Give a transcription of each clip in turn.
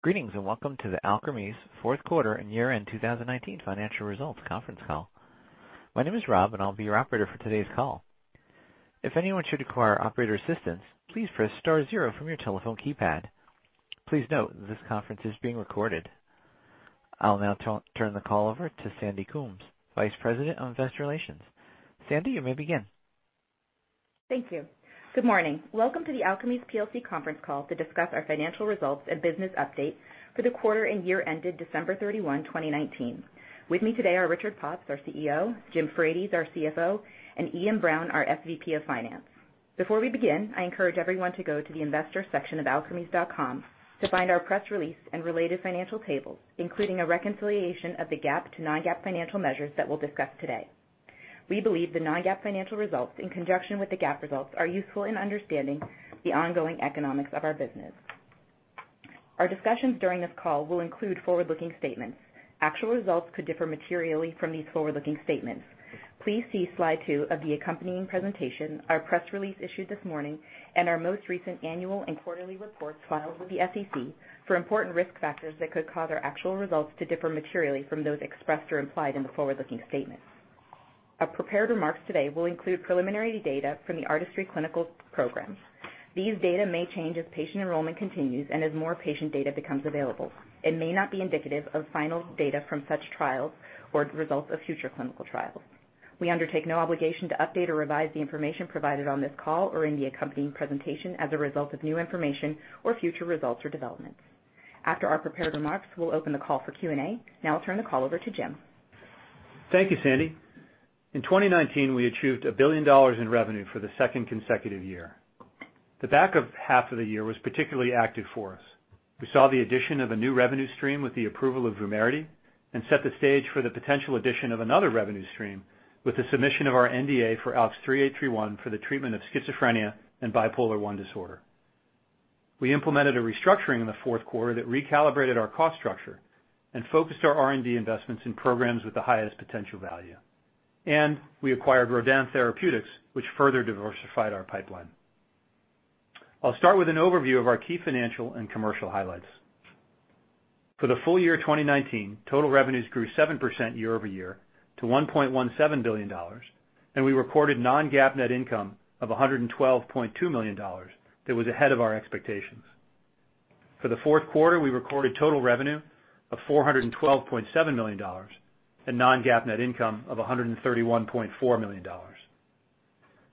Greetings, and welcome to the Alkermes Fourth Quarter and Year-End 2019 Financial Results Conference Call. My name is Rob, and I'll be your operator for today's call. If anyone should require operator assistance, please press star zero from your telephone keypad. Please note this conference is being recorded. I'll now turn the call over to Sandy Coombs, Vice President of Investor Relations. Sandy, you may begin. Thank you. Good morning. Welcome to the Alkermes plc Conference Call to discuss our financial results and business updates for the quarter and year ended December 31, 2019. With me today are Richard Pops, our CEO, James Frates, our CFO, and Iain Brown, our SVP of Finance. Before we begin, I encourage everyone to go to the investor section of alkermes.com to find our press release and related financial tables, including a reconciliation of the GAAP to non-GAAP financial measures that we'll discuss today. We believe the non-GAAP financial results, in conjunction with the GAAP results, are useful in understanding the ongoing economics of our business. Our discussions during this call will include forward-looking statements. Actual results could differ materially from these forward-looking statements. Please see slide two of the accompanying presentation, our press release issued this morning, and our most recent annual and quarterly reports filed with the SEC for important risk factors that could cause our actual results to differ materially from those expressed or implied in the forward-looking statements. Our prepared remarks today will include preliminary data from the ARTISTRY clinical programs. These data may change as patient enrollment continues and as more patient data becomes available and may not be indicative of final data from such trials or results of future clinical trials. We undertake no obligation to update or revise the information provided on this call or in the accompanying presentation as a result of new information or future results or developments. After our prepared remarks, we'll open the call for Q&A. Now I'll turn the call over to James. Thank you, Sandy. In 2019, we achieved a billion dollars in revenue for the second consecutive year. The back half of the year was particularly active for us. We saw the addition of a new revenue stream with the approval of VUMERITY and set the stage for the potential addition of another revenue stream with the submission of our NDA for ALKS 3831 for the treatment of schizophrenia and bipolar I disorder. We implemented a restructuring in the fourth quarter that recalibrated our cost structure and focused our R&D investments in programs with the highest potential value. We acquired Rodin Therapeutics, which further diversified our pipeline. I'll start with an overview of our key financial and commercial highlights. For the full year 2019, total revenues grew 7% year-over-year to $1.17 billion, and we recorded non-GAAP net income of $112.2 million that was ahead of our expectations. For the fourth quarter, we recorded total revenue of $412.7 million and non-GAAP net income of $131.4 million.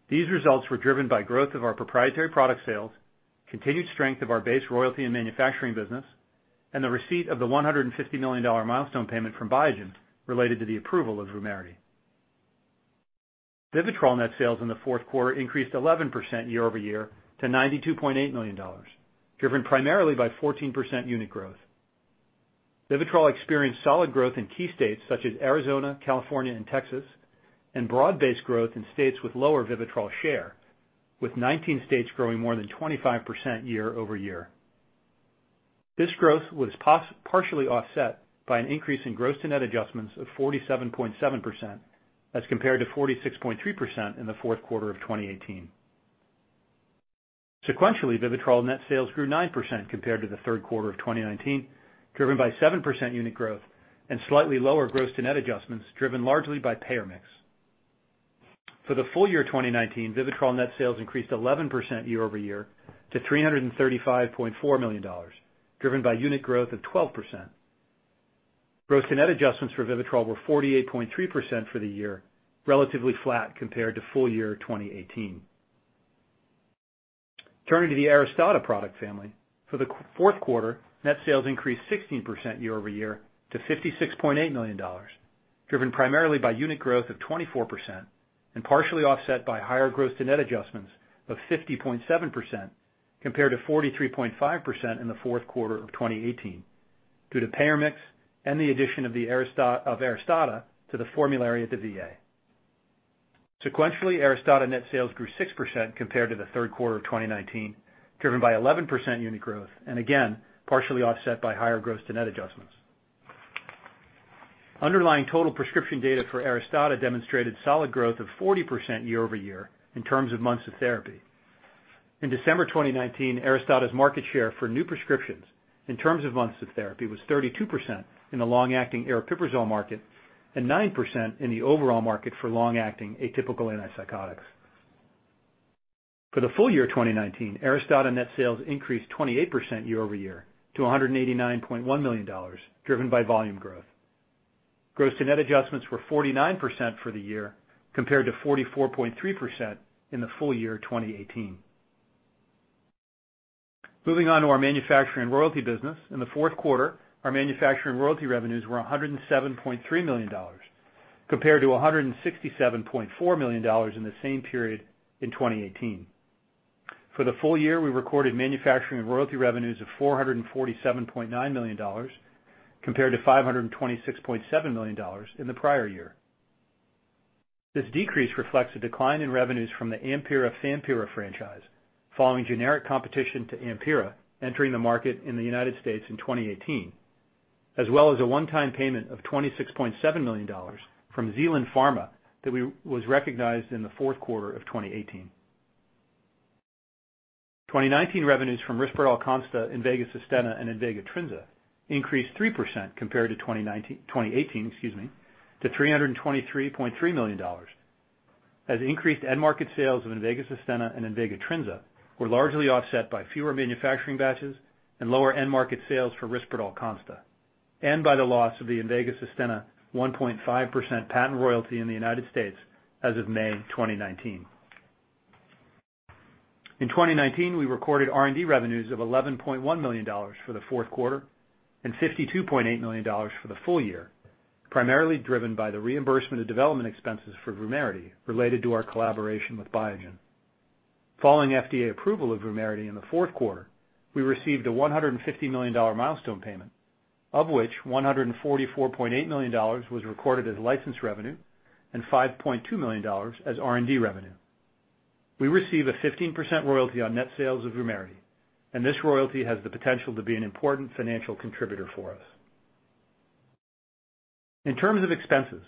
These results were driven by growth of our proprietary product sales, continued strength of our base royalty and manufacturing business, and the receipt of the $150 million milestone payment from Biogen related to the approval of VUMERITY. VIVITROL net sales in the fourth quarter increased 11% year-over-year to $92.8 million, driven primarily by 14% unit growth. VIVITROL experienced solid growth in key states such as Arizona, California, and Texas, and broad-based growth in states with lower VIVITROL share, with 19 states growing more than 25% year-over-year. This growth was partially offset by an increase in gross to net adjustments of 47.7% as compared to 46.3% in the fourth quarter of 2018. Sequentially, VIVITROL net sales grew 9% compared to the third quarter of 2019, driven by 7% unit growth and slightly lower gross to net adjustments, driven largely by payer mix. For the full year 2019, VIVITROL net sales increased 11% year-over-year to $335.4 million, driven by unit growth of 12%. Gross to net adjustments for VIVITROL were 48.3% for the year, relatively flat compared to full year 2018. Turning to the ARISTADA product family. For the fourth quarter, net sales increased 16% year-over-year to $56.8 million, driven primarily by unit growth of 24% and partially offset by higher gross to net adjustments of 50.7% compared to 43.5% in the fourth quarter of 2018 due to payer mix and the addition of ARISTADA to the formulary at the VA. Sequentially, Aristada net sales grew 6% compared to the third quarter of 2019, driven by 11% unit growth, and again, partially offset by higher gross to net adjustments. Underlying total prescription data for Aristada demonstrated solid growth of 40% year-over-year in terms of months of therapy. In December 2019, Aristada's market share for new prescriptions in terms of months of therapy was 32% in the long-acting aripiprazole market and 9% in the overall market for long-acting atypical antipsychotics. For the full year 2019, Aristada net sales increased 28% year-over-year to $189.1 million, driven by volume growth. Gross to net adjustments were 49% for the year, compared to 44.3% in the full year 2018. Moving on to our manufacturing royalty business. In the fourth quarter, our manufacturing royalty revenues were $107.3 million compared to $167.4 million in the same period in 2018. For the full year, we recorded manufacturing and royalty revenues of $447.9 million compared to $526.7 million in the prior year. This decrease reflects a decline in revenues from the AMPYRA/FAMPYRA franchise following generic competition to AMPYRA entering the market in the U.S. in 2018, as well as a one-time payment of $26.7 million from Zealand Pharma that was recognized in the fourth quarter of 2018. 2019 revenues from RISPERDAL CONSTA, INVEGA SUSTENNA, and INVEGA TRINZA increased 3% compared to 2018, to $323.3 million, as increased end market sales of INVEGA SUSTENNA and INVEGA TRINZA were largely offset by fewer manufacturing batches and lower end market sales for RISPERDAL CONSTA, and by the loss of the INVEGA SUSTENNA 1.5% patent royalty in the U.S. as of May 2019. In 2019, we recorded R&D revenues of $11.1 million for the fourth quarter and $52.8 million for the full year, primarily driven by the reimbursement of development expenses for VUMERITY related to our collaboration with Biogen. Following FDA approval of VUMERITY in the fourth quarter, we received a $150 million milestone payment, of which $144.8 million was recorded as license revenue and $5.2 million as R&D revenue. We receive a 15% royalty on net sales of VUMERITY, and this royalty has the potential to be an important financial contributor for us. In terms of expenses,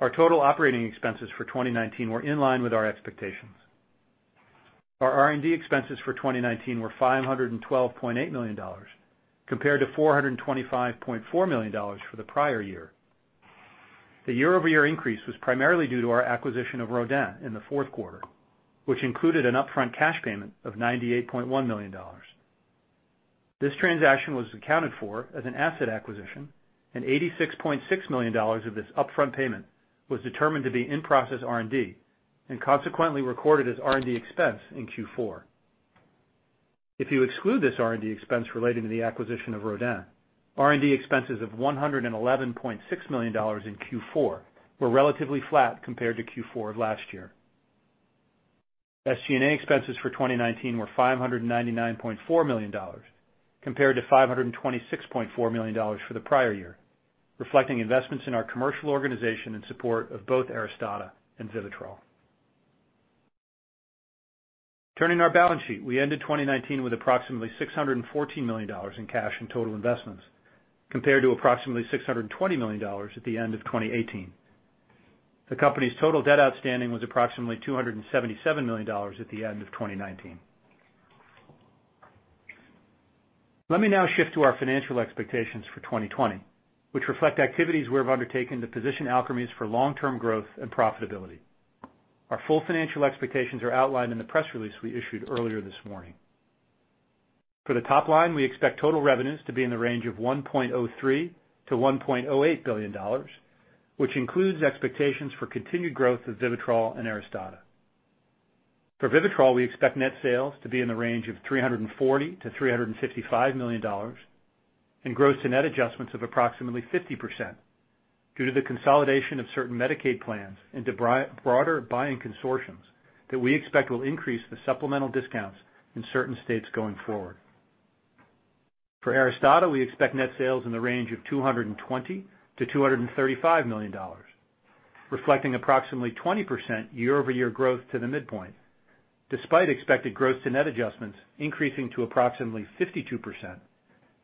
our total operating expenses for 2019 were in line with our expectations. Our R&D expenses for 2019 were $512.8 million, compared to $425.4 million for the prior year. The year-over-year increase was primarily due to our acquisition of Rodin in the fourth quarter, which included an upfront cash payment of $98.1 million. This transaction was accounted for as an asset acquisition, and $86.6 million of this upfront payment was determined to be in-process R&D and consequently recorded as R&D expense in Q4. If you exclude this R&D expense relating to the acquisition of Rodin, R&D expenses of $111.6 million in Q4 were relatively flat compared to Q4 of last year. SG&A expenses for 2019 were $599.4 million, compared to $526.4 million for the prior year, reflecting investments in our commercial organization in support of both ARISTADA and VIVITROL. Turning to our balance sheet, we ended 2019 with approximately $614 million in cash and total investments, compared to approximately $620 million at the end of 2018. The company's total debt outstanding was approximately $277 million at the end of 2019. Let me now shift to our financial expectations for 2020, which reflect activities we have undertaken to position Alkermes for long-term growth and profitability. Our full financial expectations are outlined in the press release we issued earlier this morning. For the top line, we expect total revenues to be in the range of $1.03 billion-$1.08 billion, which includes expectations for continued growth of VIVITROL and ARISTADA. For VIVITROL, we expect net sales to be in the range of $340 million-$355 million and gross to net adjustments of approximately 50% due to the consolidation of certain Medicaid plans into broader buying consortiums that we expect will increase the supplemental discounts in certain states going forward. For Aristada, we expect net sales in the range of $220 million-$235 million, reflecting approximately 20% year-over-year growth to the midpoint, despite expected gross to net adjustments increasing to approximately 52%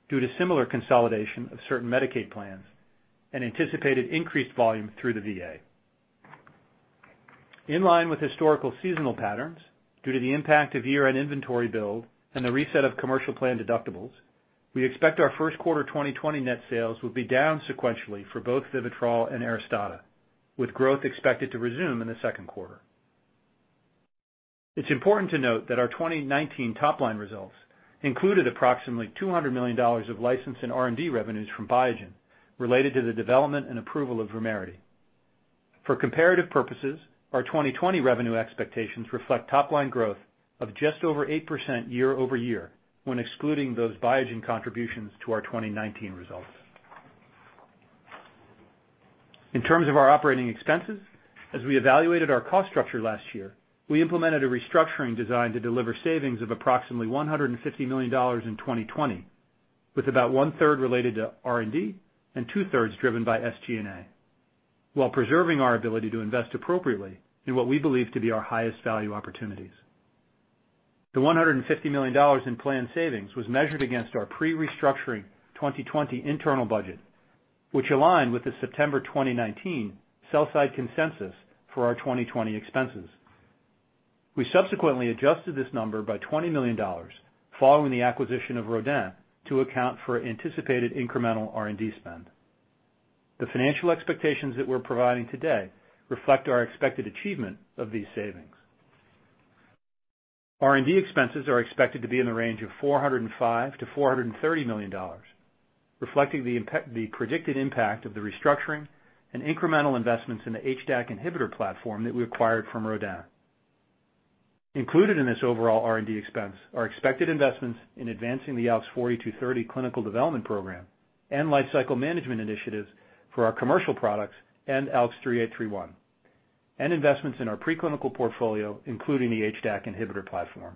due to similar consolidation of certain Medicaid plans and anticipated increased volume through the VA. In line with historical seasonal patterns, due to the impact of year-end inventory build and the reset of commercial plan deductibles, we expect our first quarter 2020 net sales will be down sequentially for both VIVITROL and Aristada, with growth expected to resume in the second quarter. It's important to note that our 2019 top-line results included approximately $200 million of license and R&D revenues from Biogen related to the development and approval of VUMERITY. For comparative purposes, our 2020 revenue expectations reflect top-line growth of just over 8% year-over-year when excluding those Biogen contributions to our 2019 results. In terms of our operating expenses, as we evaluated our cost structure last year, we implemented a restructuring designed to deliver savings of approximately $150 million in 2020, with about 1/3 related to R&D and 2/3 driven by SG&A, while preserving our ability to invest appropriately in what we believe to be our highest value opportunities. The $150 million in planned savings was measured against our pre-restructuring 2020 internal budget, which aligned with the September 2019 sell side consensus for our 2020 expenses. We subsequently adjusted this number by $20 million following the acquisition of Rodin to account for anticipated incremental R&D spend. The financial expectations that we're providing today reflect our expected achievement of these savings. R&D expenses are expected to be in the range of $405 million-$430 million, reflecting the predicted impact of the restructuring and incremental investments in the HDAC inhibitor platform that we acquired from Rodin. Included in this overall R&D expense are expected investments in advancing the ALKS 4230 clinical development program and lifecycle management initiatives for our commercial products and ALKS 3831, and investments in our preclinical portfolio, including the HDAC inhibitor platform.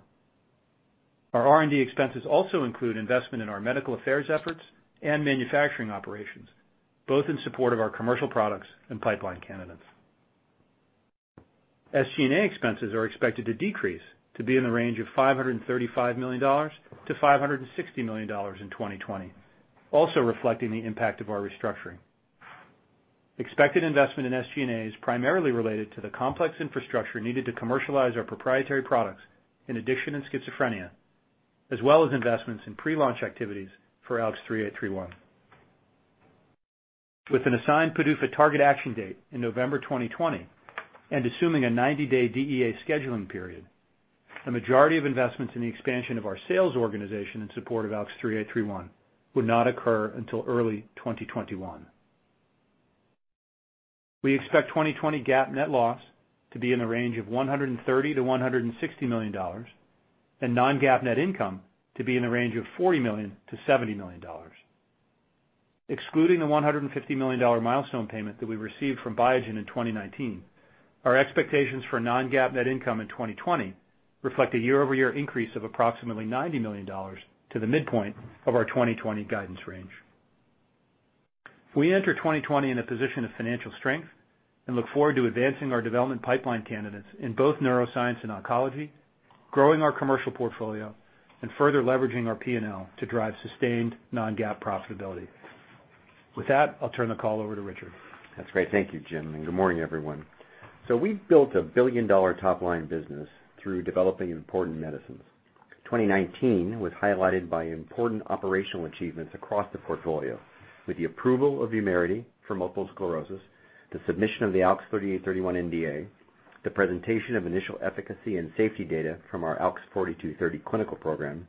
Our R&D expenses also include investment in our medical affairs efforts and manufacturing operations, both in support of our commercial products and pipeline candidates. SG&A expenses are expected to decrease to be in the range of $535 million-$560 million in 2020, also reflecting the impact of our restructuring. Expected investment in SG&A is primarily related to the complex infrastructure needed to commercialize our proprietary products in addiction and schizophrenia, as well as investments in pre-launch activities for ALKS 3831. With an assigned PDUFA target action date in November 2020 and assuming a 90-day DEA scheduling period, the majority of investments in the expansion of our sales organization in support of ALKS 3831 would not occur until early 2021. We expect 2020 GAAP net loss to be in the range of $130 million-$160 million and non-GAAP net income to be in the range of $40 million-$70 million. Excluding the $150 million milestone payment that we received from Biogen in 2019, our expectations for non-GAAP net income in 2020 reflect a year-over-year increase of approximately $90 million to the midpoint of our 2020 guidance range. We enter 2020 in a position of financial strength and look forward to advancing our development pipeline candidates in both neuroscience and oncology, growing our commercial portfolio and further leveraging our P&L to drive sustained non-GAAP profitability. With that, I'll turn the call over to Richard. That's great. Thank you, James, and good morning, everyone. We've built a billion-dollar top-line business through developing important medicines. 2019 was highlighted by important operational achievements across the portfolio with the approval of VUMERITY for multiple sclerosis, the submission of the ALKS 3831 NDA, the presentation of initial efficacy and safety data from our ALKS 4230 clinical program,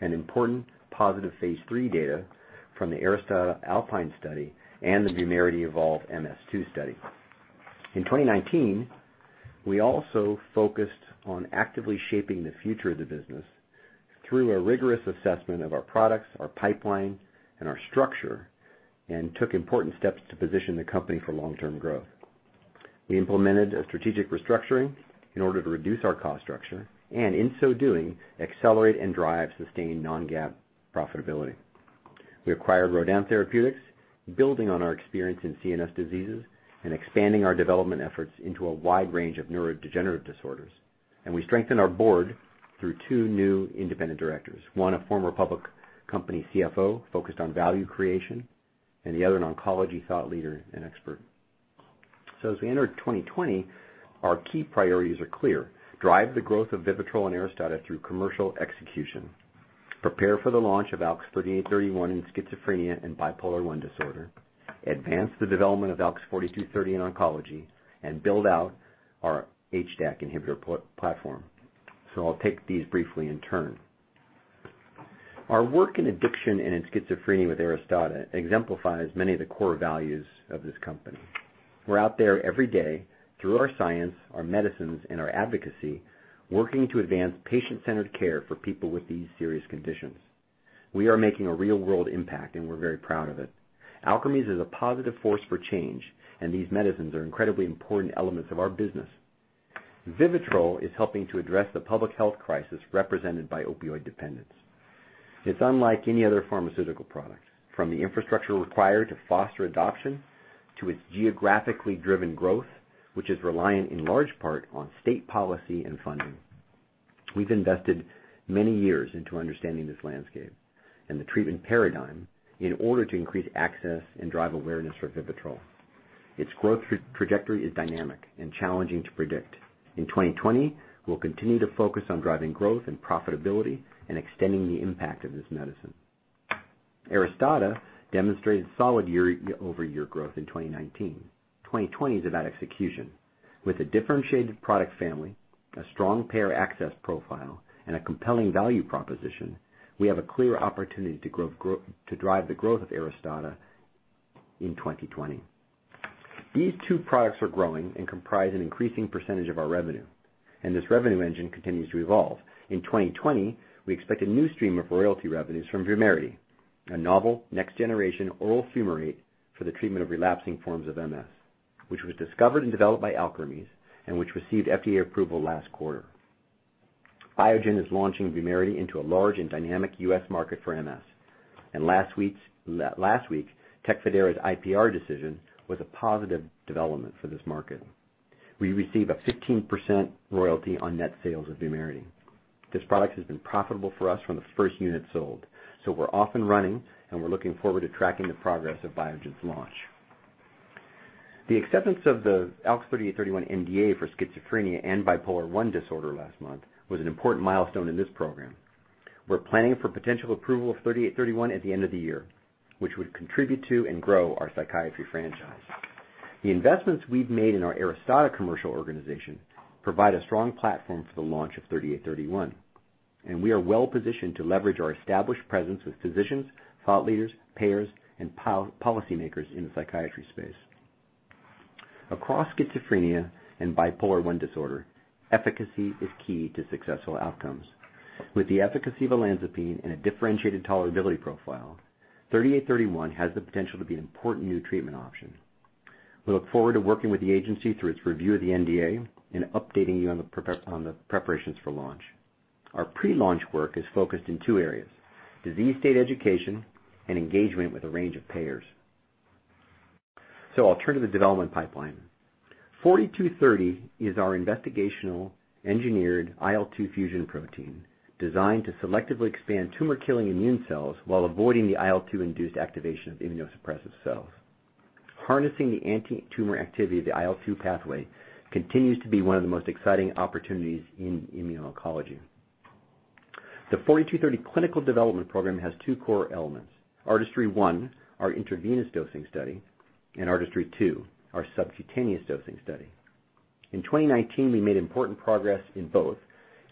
and important positive phase III data from the ARISTADA ALPINE study and the VUMERITY EVOLVE-MS-2 study. In 2019, we also focused on actively shaping the future of the business through a rigorous assessment of our products, our pipeline, and our structure, and took important steps to position the company for long-term growth. We implemented a strategic restructuring in order to reduce our cost structure and in so doing, accelerate and drive sustained non-GAAP profitability. We acquired Rodin Therapeutics, building on our experience in CNS diseases and expanding our development efforts into a wide range of neurodegenerative disorders. We strengthened our board through two new independent directors. One, a former public company CFO focused on value creation, and the other, an oncology thought leader and expert. As we enter 2020, our key priorities are clear. Drive the growth of VIVITROL and ARISTADA through commercial execution. Prepare for the launch of ALKS 3831 in schizophrenia and bipolar I disorder. Advance the development of ALKS 4230 in oncology and build out our HDAC inhibitor platform. I'll take these briefly in turn. Our work in addiction and in schizophrenia with ARISTADA exemplifies many of the core values of this company. We're out there every day through our science, our medicines, and our advocacy, working to advance patient-centered care for people with these serious conditions. We are making a real-world impact, and we're very proud of it. Alkermes is a positive force for change, and these medicines are incredibly important elements of our business. VIVITROL is helping to address the public health crisis represented by opioid dependence. It's unlike any other pharmaceutical product, from the infrastructure required to foster adoption to its geographically driven growth, which is reliant in large part on state policy and funding. We've invested many years into understanding this landscape and the treatment paradigm in order to increase access and drive awareness for VIVITROL. Its growth trajectory is dynamic and challenging to predict. In 2020, we'll continue to focus on driving growth and profitability and extending the impact of this medicine. ARISTADA demonstrated solid year-over-year growth in 2019. 2020 is about execution. With a differentiated product family, a strong payer access profile, and a compelling value proposition, we have a clear opportunity to drive the growth of ARISTADA in 2020. These two products are growing and comprise an increasing percentage of our revenue, and this revenue engine continues to evolve. In 2020, we expect a new stream of royalty revenues from VUMERITY, a novel next-generation oral fumarate for the treatment of relapsing forms of MS, which was discovered and developed by Alkermes and which received FDA approval last quarter. Biogen is launching VUMERITY into a large and dynamic U.S. market for MS, and last week, TECFIDERA's IPR decision was a positive development for this market. We receive a 15% royalty on net sales of VUMERITY. This product has been profitable for us from the first unit sold, so we're off and running, and we're looking forward to tracking the progress of Biogen's launch. The acceptance of the ALKS 3831 NDA for schizophrenia and bipolar I disorder last month was an important milestone in this program. We're planning for potential approval of 3831 at the end of the year, which would contribute to and grow our psychiatry franchise. The investments we've made in our ARISTADA commercial organization provide a strong platform for the launch of 3831, and we are well-positioned to leverage our established presence with physicians, thought leaders, payers, and policymakers in the psychiatry space. Across schizophrenia and bipolar I disorder, efficacy is key to successful outcomes. With the efficacy of olanzapine and a differentiated tolerability profile, 3831 has the potential to be an important new treatment option. We look forward to working with the agency through its review of the NDA and updating you on the preparations for launch. Our pre-launch work is focused in two areas, disease state education and engagement with a range of payers. I'll turn to the development pipeline. 4230 is our investigational engineered IL-2 fusion protein designed to selectively expand tumor-killing immune cells while avoiding the IL-2-induced activation of immunosuppressive cells. Harnessing the anti-tumor activity of the IL-2 pathway continues to be one of the most exciting opportunities in immuno-oncology. The 4230 clinical development program has two core elements, ARTISTRY-1, our intravenous dosing study, and ARTISTRY-2, our subcutaneous dosing study. In 2019, we made important progress in both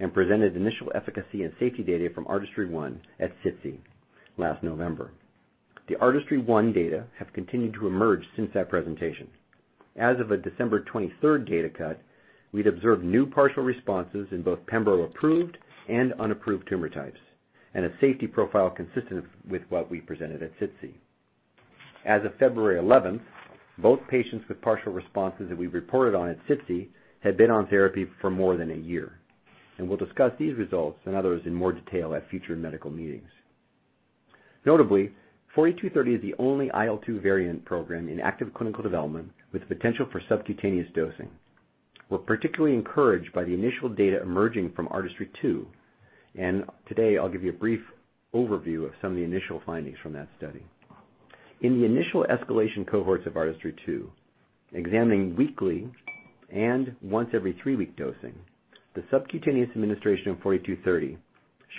and presented initial efficacy and safety data from ARTISTRY-1 at SITC last November. The ARTISTRY-1 data have continued to emerge since that presentation. As of a December 23rd data cut, we'd observed new partial responses in both pembro-approved and unapproved tumor types, and a safety profile consistent with what we presented at SITC. As of February 11th, both patients with partial responses that we reported on at SITC had been on therapy for more than a year. We'll discuss these results and others in more detail at future medical meetings. Notably, 4230 is the only IL-2 variant program in active clinical development with potential for subcutaneous dosing. We're particularly encouraged by the initial data emerging from ARTISTRY-2, and today I'll give you a brief overview of some of the initial findings from that study. In the initial escalation cohorts of ARTISTRY-2, examining weekly and once every three week dosing, the subcutaneous administration of 4230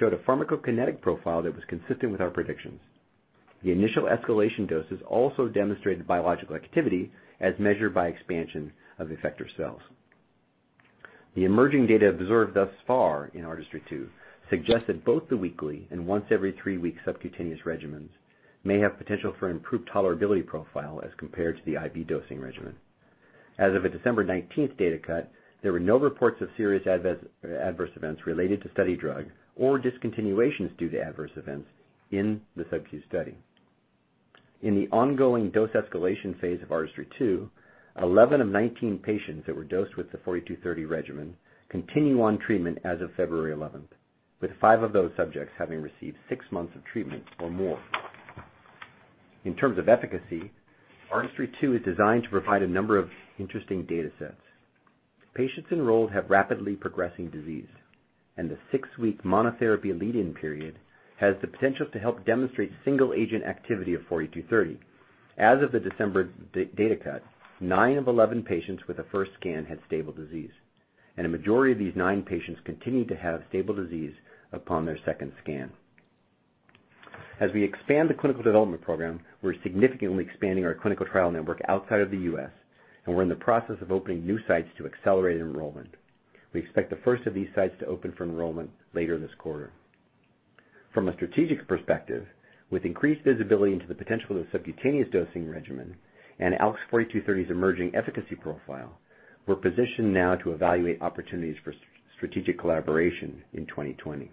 showed a pharmacokinetic profile that was consistent with our predictions. The initial escalation doses also demonstrated biological activity as measured by expansion of effector cells. The emerging data observed thus far in ARTISTRY-2 suggest that both the weekly and once every three week subcutaneous regimens may have potential for improved tolerability profile as compared to the IV dosing regimen. As of a December 19th data cut, there were no reports of serious adverse events related to study drug or discontinuations due to adverse events in the subq study. In the ongoing dose escalation phase of ARTISTRY-2, 11 of 19 patients that were dosed with the 4230 regimen continue on treatment as of February 11th, with five of those subjects having received six months of treatment or more. In terms of efficacy, ARTISTRY-2 is designed to provide a number of interesting data sets. Patients enrolled have rapidly progressing disease, and thesix-week monotherapy lead-in period has the potential to help demonstrate single-agent activity of 4230. As of the December data cut, nine of 11 patients with a first scan had stable disease, and a majority of these nine patients continued to have stable disease upon their second scan. As we expand the clinical development program, we're significantly expanding our clinical trial network outside of the U.S., and we're in the process of opening new sites to accelerate enrollment. We expect the first of these sites to open for enrollment later this quarter. From a strategic perspective, with increased visibility into the potential of a subcutaneous dosing regimen and ALKS 4230's emerging efficacy profile, we're positioned now to evaluate opportunities for strategic collaboration in 2020.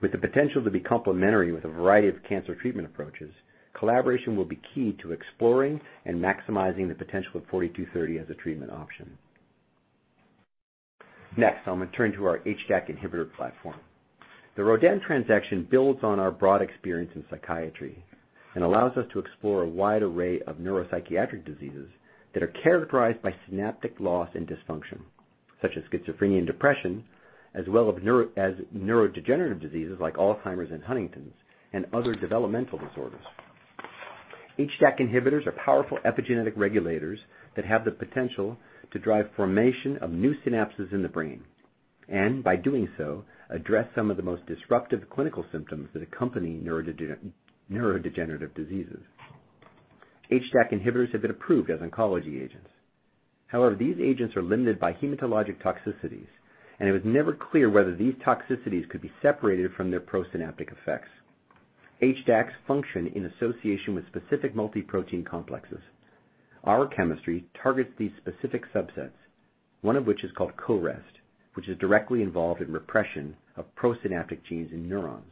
With the potential to be complementary with a variety of cancer treatment approaches, collaboration will be key to exploring and maximizing the potential of ALKS 4230 as a treatment option. Next, I'm going to turn to our HDAC inhibitor platform. The Rodin transaction builds on our broad experience in psychiatry and allows us to explore a wide array of neuropsychiatric diseases that are characterized by synaptic loss and dysfunction, such as schizophrenia and depression, as well as neurodegenerative diseases like Alzheimer's and Huntington's, and other developmental disorders. HDAC inhibitors are powerful epigenetic regulators that have the potential to drive formation of new synapses in the brain, and by doing so, address some of the most disruptive clinical symptoms that accompany neurodegenerative diseases. HDAC inhibitors have been approved as oncology agents. However, these agents are limited by hematologic toxicities, and it was never clear whether these toxicities could be separated from their pro-synaptic effects. HDACs function in association with specific multi-protein complexes. Our chemistry targets these specific subsets, one of which is called CoREST, which is directly involved in repression of pro-synaptic genes in neurons.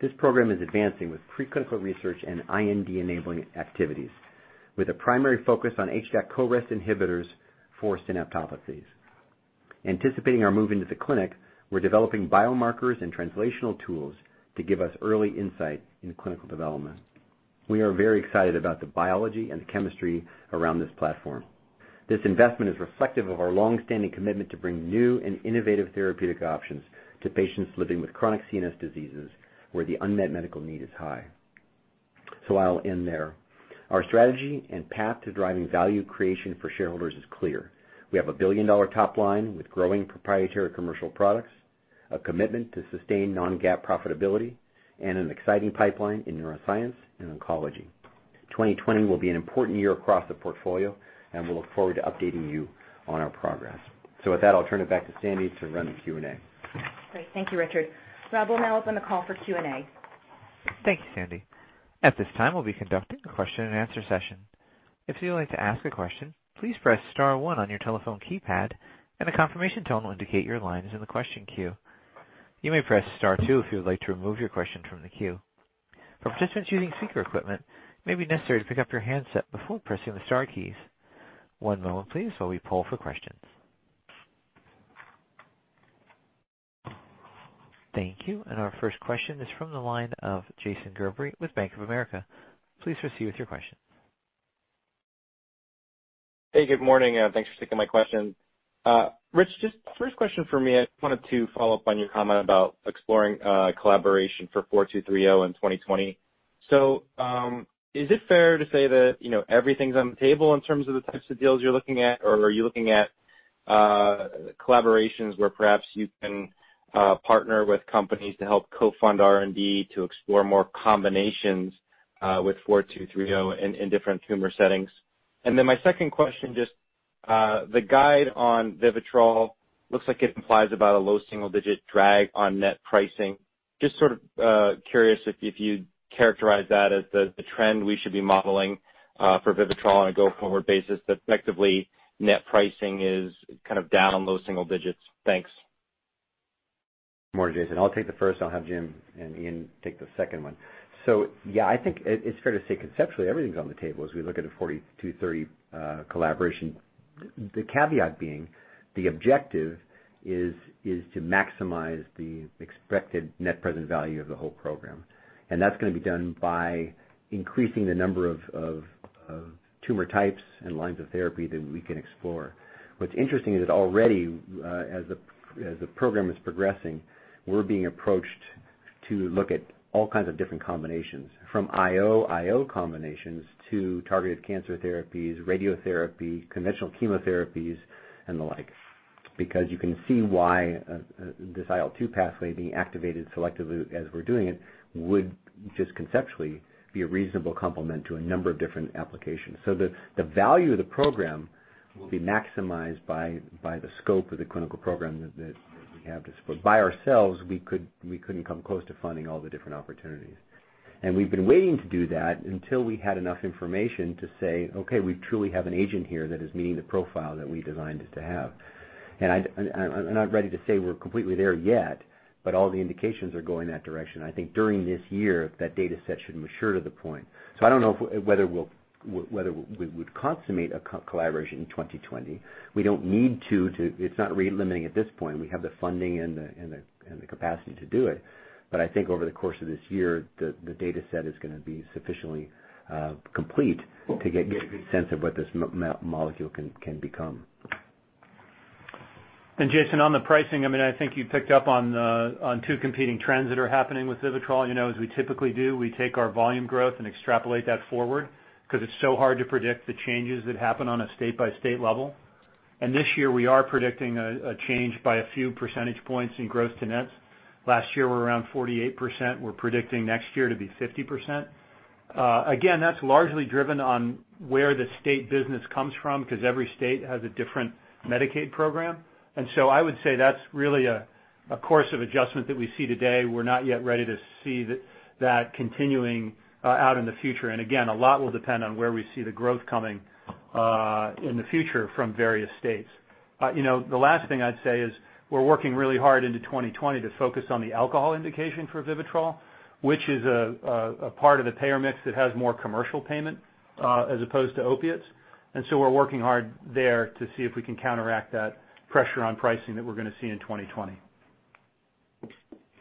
This program is advancing with pre-clinical research and IND-enabling activities, with a primary focus on HDAC-CoREST inhibitors for synaptopathies. Anticipating our move into the clinic, we're developing biomarkers and translational tools to give us early insight in clinical development. We are very excited about the biology and the chemistry around this platform. This investment is reflective of our longstanding commitment to bring new and innovative therapeutic options to patients living with chronic CNS diseases, where the unmet medical need is high. I'll end there. Our strategy and path to driving value creation for shareholders is clear. We have a billion-dollar top line with growing proprietary commercial products, a commitment to sustained non-GAAP profitability, and an exciting pipeline in neuroscience and oncology. 2020 will be an important year across the portfolio. We look forward to updating you on our progress. With that, I'll turn it back to Sandy to run the Q&A. Great, thank you, Richard. We'll now open the call for Q&A. Thank you, Sandy. At this time, we'll be conducting a question and answer session. If you would like to ask a question, please press star one on your telephone keypad, and a confirmation tone will indicate your line is in the question queue. You may press star two if you would like to remove your question from the queue. For participants using speaker equipment, it may be necessary to pick up your handset before pressing the star keys. One moment please while we poll for questions. Thank you. Our first question is from the line of Jason Gerberry with Bank of America. Please proceed with your question. Hey, good morning. Thanks for taking my question. Rich, just first question for me, I wanted to follow up on your comment about exploring collaboration for 4230 in 2020. Is it fair to say that everything's on the table in terms of the types of deals you're looking at? Are you looking at collaborations where perhaps you can partner with companies to help co-fund R&D to explore more combinations with 4230 in different tumor settings? My second question, just the guide on VIVITROL, looks like it implies about a low single-digit drag on net pricing. Just sort of curious if you'd characterize that as the trend we should be modeling for VIVITROL on a go-forward basis that effectively net pricing is kind of down on low single digits. Thanks. Good morning, Jason. I'll take the first, I'll have James and Iain take the second one. Yeah, I think it's fair to say conceptually everything's on the table as we look at a 4230 collaboration. The caveat being the objective is to maximize the expected net present value of the whole program. That's going to be done by increasing the number of tumor types and lines of therapy that we can explore. What's interesting is that already, as the program is progressing, we're being approached to look at all kinds of different combinations from IO combinations to targeted cancer therapies, radiotherapy, conventional chemotherapies, and the like. You can see why this IL-2 pathway being activated selectively as we're doing it would just conceptually be a reasonable complement to a number of different applications. The value of the program will be maximized by the scope of the clinical program that we have to support. By ourselves, we couldn't come close to funding all the different opportunities. We've been waiting to do that until we had enough information to say, "Okay, we truly have an agent here that is meeting the profile that we designed it to have." I'm not ready to say we're completely there yet, but all the indications are going that direction. I think during this year, that data set should mature to the point. I don't know whether we would consummate a collaboration in 2020. We don't need to. It's not really limiting at this point. We have the funding and the capacity to do it. I think over the course of this year, the data set is going to be sufficiently complete to get a good sense of what this molecule can become. Jason, on the pricing, I think you picked up on two competing trends that are happening with VIVITROL. As we typically do, we take our volume growth and extrapolate that forward, because it's so hard to predict the changes that happen on a state-by-state level. This year, we are predicting a change by a few percentage points in gross to net. Last year, we were around 48%. We're predicting next year to be 50%. Again, that's largely driven on where the state business comes from, because every state has a different Medicaid program. So I would say that's really a course of adjustment that we see today. We're not yet ready to see that continuing out in the future. Again, a lot will depend on where we see the growth coming, in the future from various states. The last thing I'd say is we're working really hard into 2020 to focus on the alcohol indication for VIVITROL, which is a part of the payer mix that has more commercial payment, as opposed to opiates. We're working hard there to see if we can counteract that pressure on pricing that we're going to see in 2020.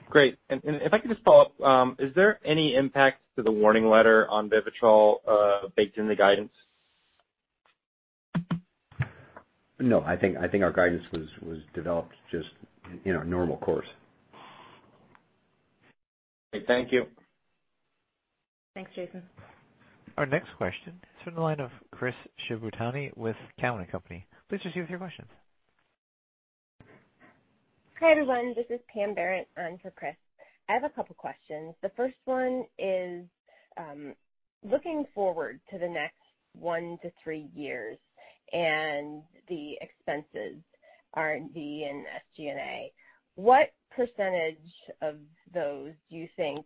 Great. If I could just follow up. Is there any impact to the warning letter on VIVITROL, baked in the guidance? No, I think our guidance was developed just in our normal course. Okay. Thank you. Thanks, Jason. Our next question is from the line of Chris Shibutani with Cowen and Company. Please proceed with your questions. Hi, everyone, this is Pam Barrett on for Chris. I have a couple questions. The first one is, looking forward to the next one to three years and the expenses, R&D and SG&A, what percentage of those do you think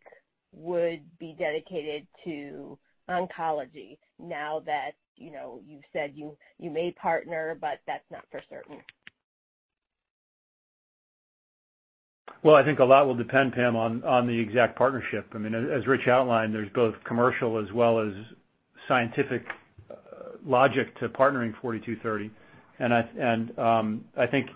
would be dedicated to oncology now that you've said you may partner, but that's not for certain? Well, I think a lot will depend, Pam, on the exact partnership. As Rich outlined, there's both commercial as well as scientific logic to partnering 4230. I think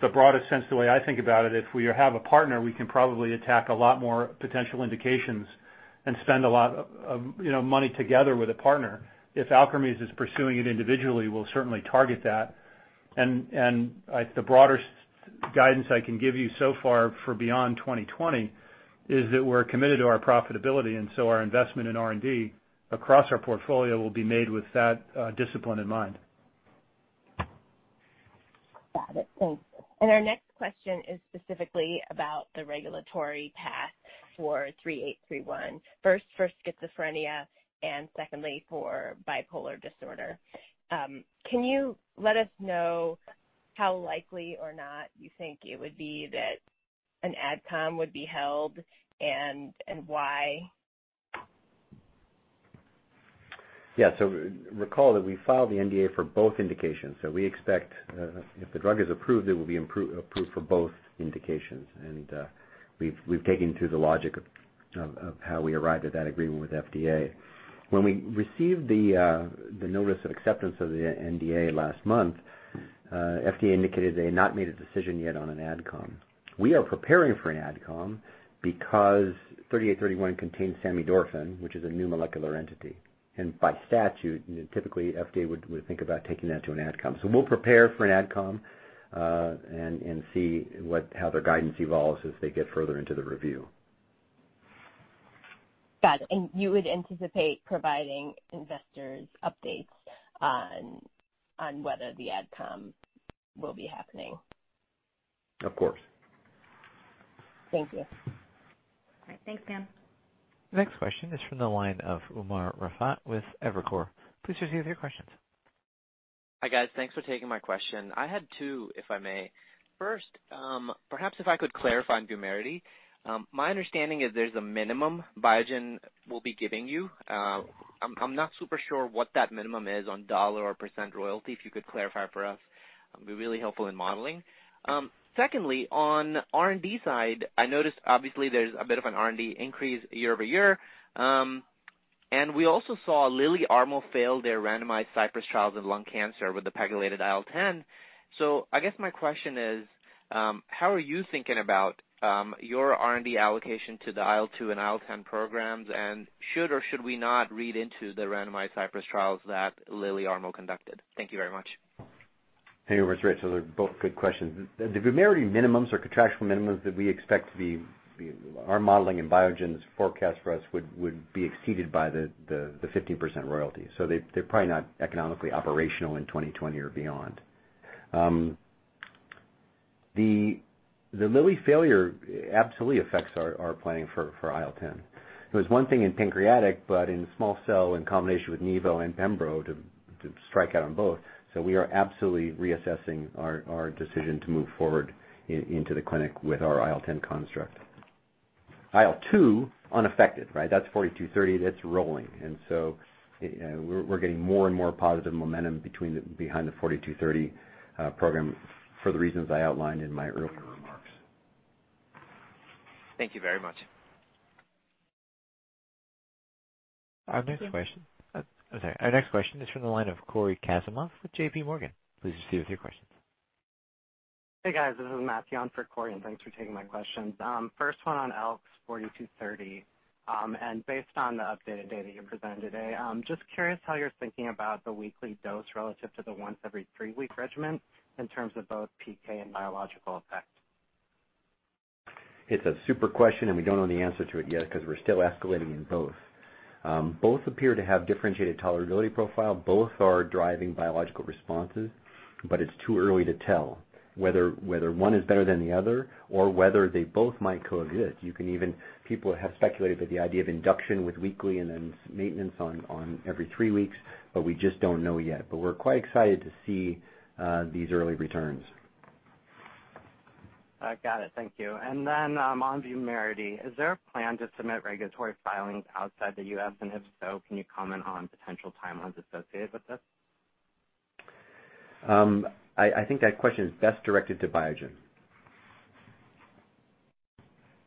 the broadest sense, the way I think about it, if we have a partner, we can probably attack a lot more potential indications and spend a lot of money together with a partner. If Alkermes is pursuing it individually, we'll certainly target that. The broader guidance I can give you so far for beyond 2020 is that we're committed to our profitability, and so our investment in R&D across our portfolio will be made with that discipline in mind. Got it. Thanks. Our next question is specifically about the regulatory path for ALKS 3831. First for schizophrenia and secondly for bipolar disorder. Can you let us know how likely or not you think it would be that an AdCom would be held and why? Yeah. Recall that we filed the NDA for both indications. We expect, if the drug is approved, it will be approved for both indications. We've taken to the logic of how we arrived at that agreement with FDA. When we received the notice of acceptance of the NDA last month, FDA indicated they had not made a decision yet on an AdCom. We are preparing for an AdCom because ALKS 3831 contains samidorphan, which is a new molecular entity. By statute, typically FDA would think about taking that to an AdCom. We'll prepare for an AdCom, and see how their guidance evolves as they get further into the review. Got it. You would anticipate providing investors updates on whether the AdCom will be happening? Of course. Thank you. All right. Thanks, Pam. The next question is from the line of Umer Raffat with Evercore. Please proceed with your questions. Hi, guys. Thanks for taking my question. I had two, if I may. First, perhaps if I could clarify on VUMERITY. My understanding is there's a minimum Biogen will be giving you. I'm not super sure what that minimum is on dollar or % royalty, if you could clarify for us, that'd be really helpful in modeling. Secondly, on R&D side, I noticed obviously there's a bit of an R&D increase year-over-year. We also saw Lilly ARMO fail their randomized CYPRESS trials of lung cancer with the PEGylated IL-10. I guess my question is, how are you thinking about your R&D allocation to the IL-2 and IL-10 programs, and should or should we not read into the randomized CYPRESS trials that Lilly ARMO conducted? Thank you very much. Hey, Umar. Great. They're both good questions. The VUMERITY minimums or contractual minimums that we expect to be our modeling and Biogen's forecast for us would be exceeded by the 15% royalty. They're probably not economically operational in 2020 or beyond. The Lilly failure absolutely affects our planning for IL-10. It was one thing in pancreatic, but in small cell in combination with nemba and pembro to strike out on both. We are absolutely reassessing our decision to move forward into the clinic with our IL-10 construct. IL-2, unaffected, right? That's 4230, that's rolling. We're getting more and more positive momentum behind the 4230 program for the reasons I outlined in my earlier remarks. Thank you very much. Our next question is from the line of Cory Kasimov with JPMorgan. Please proceed with your questions. Hey, guys. This is Matthew on for Cory, thanks for taking my questions. First one on ALKS 4230, based on the updated data you presented today, just curious how you're thinking about the weekly dose relative to the once every three week regimen in terms of both PK and biological effect. It's a super question. We don't know the answer to it yet because we're still escalating in both. Both appear to have differentiated tolerability profile. Both are driving biological responses, but it's too early to tell whether one is better than the other or whether they both might co-exist. People have speculated that the idea of induction with weekly and then maintenance on every three weeks, but we just don't know yet. We're quite excited to see these early returns. Got it. Thank you. On VUMERITY, is there a plan to submit regulatory filings outside the U.S.? If so, can you comment on potential timelines associated with this? I think that question is best directed to Biogen.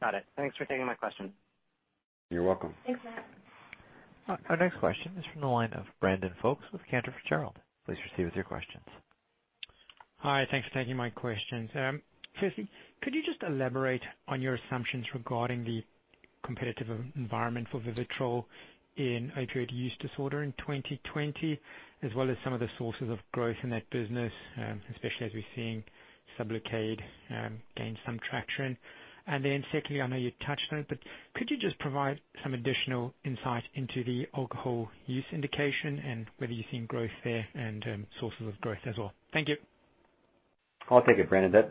Got it. Thanks for taking my question. You're welcome. Thanks, Matt. Our next question is from the line of Brandon Folkes with Cantor Fitzgerald. Please proceed with your questions. Hi, thanks for taking my questions. Firstly, could you just elaborate on your assumptions regarding the competitive environment for VIVITROL in opioid use disorder in 2020, as well as some of the sources of growth in that business, especially as we're seeing SUBLOCADE gain some traction? Secondly, I know you touched on it, but could you just provide some additional insight into the alcohol use indication and whether you're seeing growth there and sources of growth as well? Thank you. I'll take it, Brandon.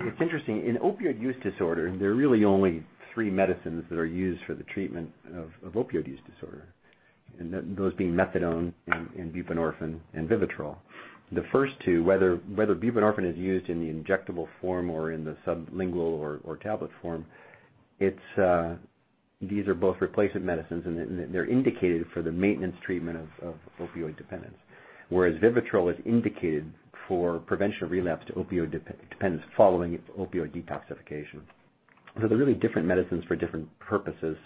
It's interesting. In opioid use disorder, there are really only three medicines that are used for the treatment of opioid use disorder, and those being methadone and buprenorphine and VIVITROL. The first two, whether buprenorphine is used in the injectable form or in the sublingual or tablet form, these are both replacement medicines, and they're indicated for the maintenance treatment of opioid dependence. Whereas VIVITROL is indicated for prevention of relapse to opioid dependence following opioid detoxification. They're really different medicines for different purposes.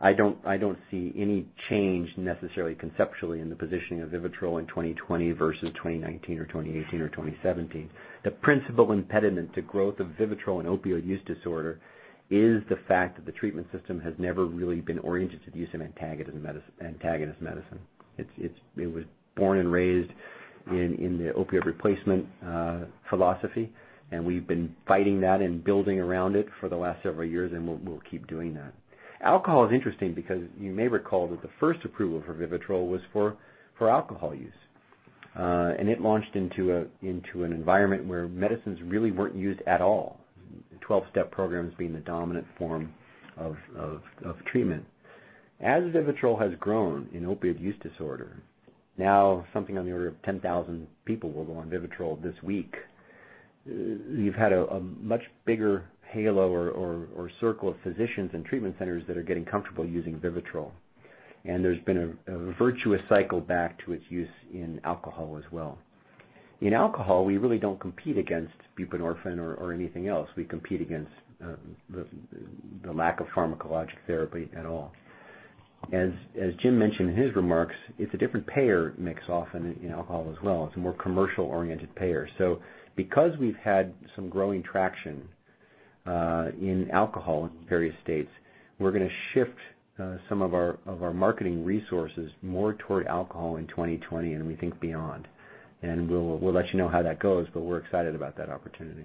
I don't see any change necessarily conceptually in the positioning of VIVITROL in 2020 versus 2019 or 2018 or 2017. The principal impediment to growth of VIVITROL in opioid use disorder is the fact that the treatment system has never really been oriented to the use of antagonist medicine. It was born and raised in the opioid replacement philosophy. We've been fighting that and building around it for the last several years, and we'll keep doing that. Alcohol is interesting because you may recall that the first approval for VIVITROL was for alcohol use. It launched into an environment where medicines really weren't used at all. 12-step programs being the dominant form of treatment. As VIVITROL has grown in opioid use disorder, now something on the order of 10,000 people will go on VIVITROL this week. You've had a much bigger halo or circle of physicians and treatment centers that are getting comfortable using VIVITROL. There's been a virtuous cycle back to its use in alcohol as well. In alcohol, we really don't compete against buprenorphine or anything else. We compete against the lack of pharmacologic therapy at all. As James mentioned in his remarks, it's a different payer mix often in alcohol as well. It's a more commercial-oriented payer. Because we've had some growing traction in alcohol in various states, we're going to shift some of our marketing resources more toward alcohol in 2020, and we think beyond. We'll let you know how that goes, but we're excited about that opportunity.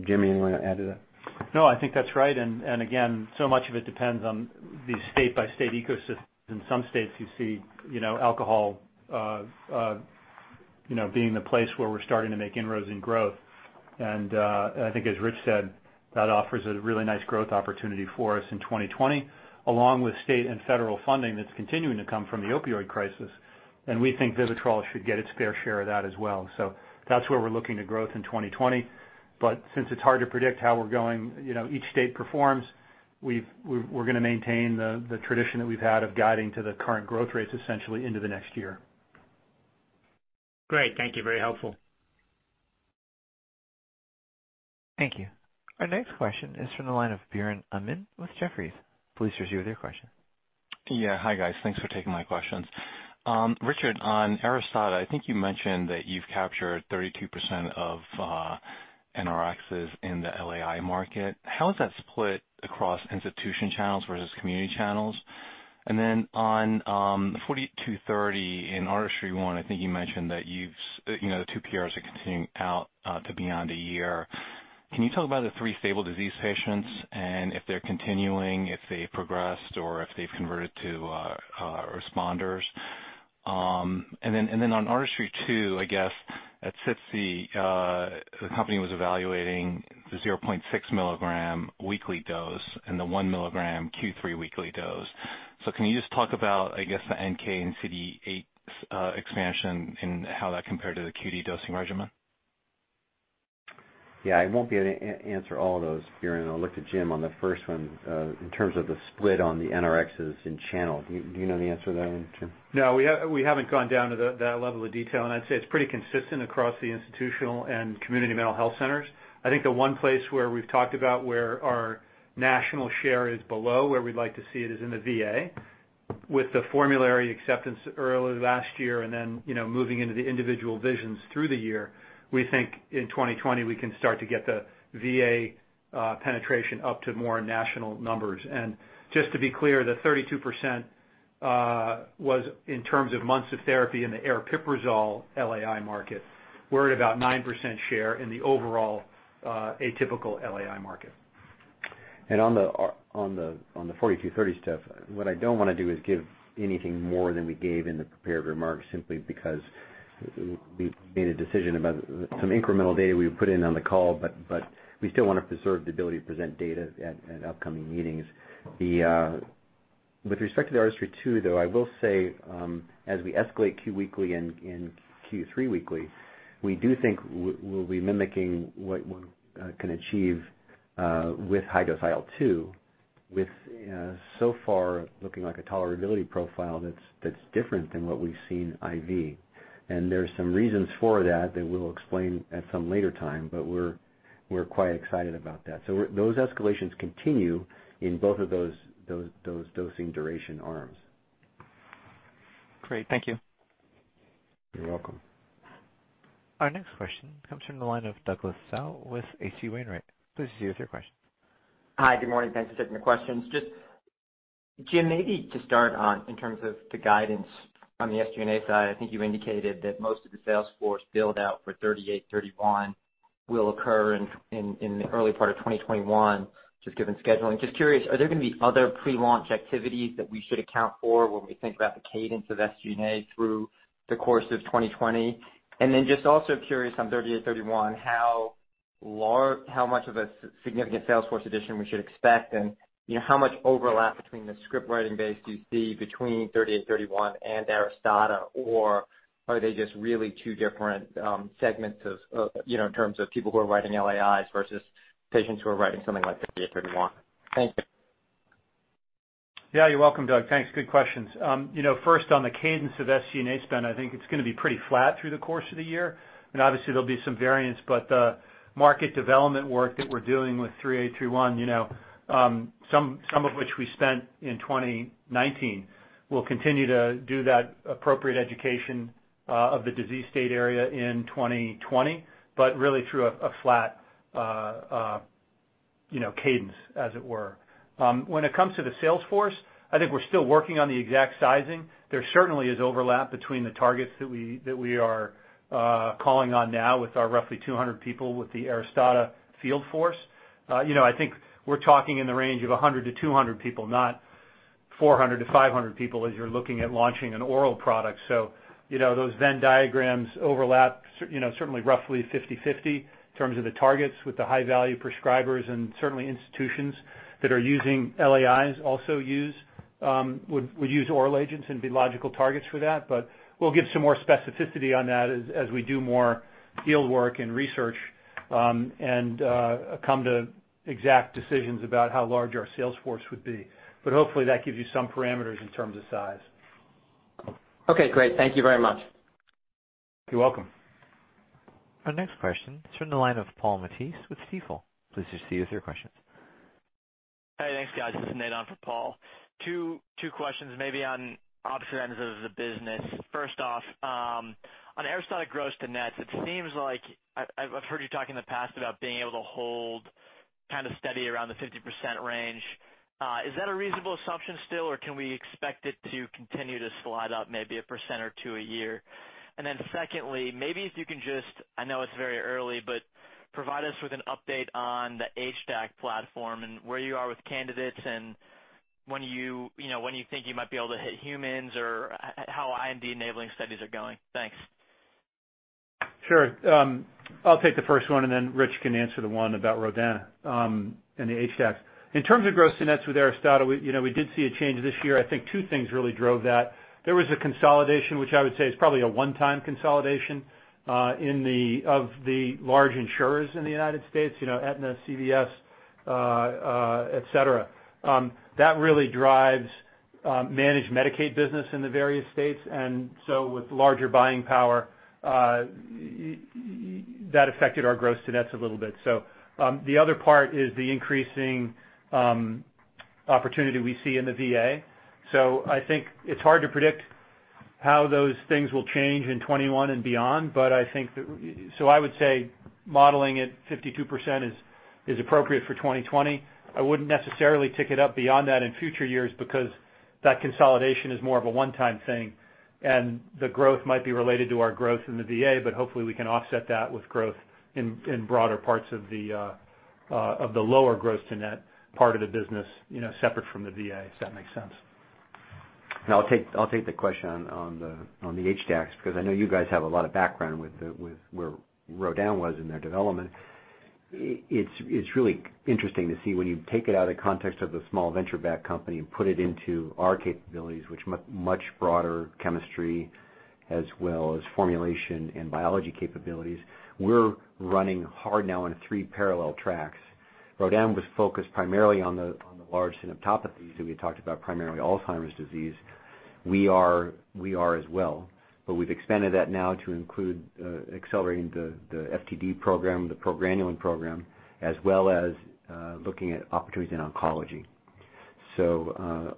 James, anything you want to add to that? No, I think that's right. Again, so much of it depends on the state-by-state ecosystem. In some states, you see alcohol being the place where we're starting to make inroads in growth. I think, as Rich said, that offers a really nice growth opportunity for us in 2020, along with state and federal funding that's continuing to come from the opioid crisis. We think VIVITROL should get its fair share of that as well. That's where we're looking to grow in 2020. Since it's hard to predict how each state performs, we're going to maintain the tradition that we've had of guiding to the current growth rates essentially into the next year. Great. Thank you. Very helpful. Thank you. Our next question is from the line of Biren Amin with Jefferies. Please proceed with your question. Yeah. Hi, guys. Thanks for taking my questions. Richard, on ARISTADA, I think you mentioned that you've captured 32% of NRx in the LAI market. How is that split across institution channels versus community channels? On the 4230 in ARTISTRY-1, I think you mentioned that the two PRs are continuing out to beyond a year. Can you talk about the three stable disease patients and if they're continuing, if they progressed, or if they've converted to responders? On ARTISTRY-2, I guess at SITC, the company was evaluating the 0.6 mg weekly dose and the one milligram Q3 weekly dose. Can you just talk about, I guess the NK and CD8 expansion and how that compared to the QD dosing regimen? Yeah. I won't be able to answer all of those, Biren. I'll look to James on the first one in terms of the split on the NRx in channel. Do you know the answer to that one, James? No. We haven't gone down to that level of detail. I'd say it's pretty consistent across the institutional and community mental health centers. I think the one place where we've talked about where our national share is below where we'd like to see it is in the VA. With the formulary acceptance early last year and then moving into the individual visions through the year, we think in 2020 we can start to get the VA penetration up to more national numbers. Just to be clear, the 32% was in terms of months of therapy in the aripiprazole LAI market. We're at about 9% share in the overall atypical LAI market. On the 4230 stuff, what I don't want to do is give anything more than we gave in the prepared remarks simply because we made a decision about some incremental data we would put in on the call, but we still want to preserve the ability to present data at upcoming meetings. With respect to the ARTISTRY-2, though, I will say as we escalate Q weekly and Q3 weekly, we do think we'll be mimicking what one can achieve with high-dose IL-2 with so far looking like a tolerability profile that's different than what we've seen IV. There's some reasons for that we'll explain at some later time, but we're quite excited about that. Those escalations continue in both of those dosing duration arms. Great. Thank you. You're welcome. Our next question comes from the line of Douglas Tsao with H.C. Wainwright. Please proceed with your question. Hi. Good morning. Thanks for taking the questions. James, maybe to start on in terms of the guidance on the SG&A side, I think you indicated that most of the sales force build-out for 3831 will occur in the early part of 2021, just given scheduling. Curious, are there going to be other pre-launch activities that we should account for when we think about the cadence of SG&A through the course of 2020? Also curious on 3831, how much of a significant sales force addition we should expect and how much overlap between the script writing base do you see between 3831 and ARISTADA, or are they just really two different segments in terms of people who are writing LAIs versus patients who are writing something like 3831? Thank you. Yeah, you're welcome, Doug. Thanks. Good questions. First, on the cadence of SG&A spend, I think it's going to be pretty flat through the course of the year. Obviously, there'll be some variance. The market development work that we're doing with 3831, some of which we spent in 2019. We'll continue to do that appropriate education of the disease state area in 2020, but really through a flat cadence, as it were. When it comes to the sales force, I think we're still working on the exact sizing. There certainly is overlap between the targets that we are calling on now with our roughly 200 people with the ARISTADA field force. I think we're talking in the range of 100-200 people, not 400-500 people as you're looking at launching an oral product. Those Venn diagrams overlap certainly roughly 50/50 in terms of the targets with the high-value prescribers and certainly institutions that are using LAIs also would use oral agents and be logical targets for that. We'll give some more specificity on that as we do more field work and research and come to exact decisions about how large our sales force would be. Hopefully that gives you some parameters in terms of size. Okay, great. Thank you very much. You're welcome. Our next question is from the line of Paul Matteis with Stifel. Please proceed with your questions. Hey, thanks guys. This is Nate on for Paul. Two questions, maybe on opposite ends of the business. First off, on ARISTADA gross to nets, it seems like I've heard you talk in the past about being able to hold kind of steady around the 50% range. Is that a reasonable assumption still, or can we expect it to continue to slide up maybe a percent or two a year? Secondly, maybe if you can just, I know it's very early, but provide us with an update on the HDAC platform and where you are with candidates and when you think you might be able to hit humans or how IND-enabling studies are going. Thanks. Sure. I'll take the first one and then Rich can answer the one about Rodin and the HDACs. In terms of gross to nets with ARISTADA, we did see a change this year. I think two things really drove that. There was a consolidation, which I would say is probably a one-time consolidation of the large insurers in the U.S., Aetna, CVS, et cetera. That really drives managed Medicaid business in the various states. With larger buying power, that affected our gross to nets a little bit. The other part is the increasing opportunity we see in the VA. I think it's hard to predict how those things will change in 2021 and beyond, but I would say modeling at 52% is appropriate for 2020. I wouldn't necessarily tick it up beyond that in future years because that consolidation is more of a one-time thing, and the growth might be related to our growth in the VA, but hopefully we can offset that with growth in broader parts of the lower gross to net part of the business, separate from the VA. If that makes sense. I'll take the question on the HDACs, because I know you guys have a lot of background with where Rodin was in their development. It's really interesting to see when you take it out of the context of the small venture-backed company and put it into our capabilities, which much broader chemistry as well as formulation and biology capabilities. We're running hard now on three parallel tracks. Rodin was focused primarily on the large synaptopathies that we talked about, primarily Alzheimer's disease. We are as well, we've expanded that now to include accelerating the FTD program, the progranulin program, as well as looking at opportunities in oncology.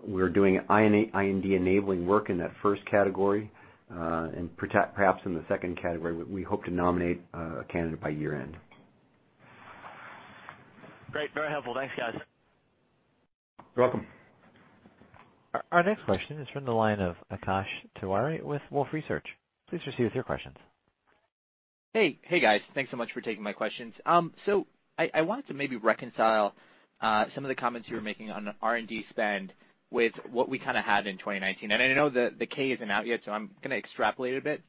We're doing IND-enabling work in that first category. Perhaps in the second category, we hope to nominate a candidate by year-end. Great. Very helpful. Thanks, guys. You're welcome. Our next question is from the line of Akash Tewari with Wolfe Research. Please proceed with your questions. Hey, guys. Thanks so much for taking my questions. I wanted to maybe reconcile some of the comments you were making on R&D spend with what we kind of had in 2019. I know the K isn't out yet, so I'm going to extrapolate a bit.